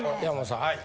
はい。